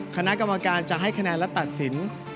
คณะกรรมการจะให้คะแนนและตัดสิน